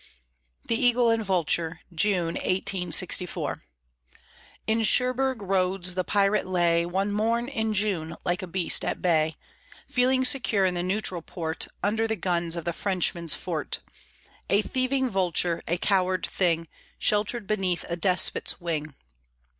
THE EAGLE AND VULTURE [June, 1864] In Cherbourg Roads the pirate lay One morn in June, like a beast at bay, Feeling secure in the neutral port, Under the guns of the Frenchman's fort; A thieving vulture; a coward thing; Sheltered beneath a despot's wing.